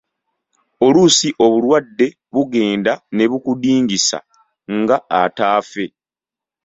Oluusi obulwadde bugenda ne bukudingisa nga ataafe.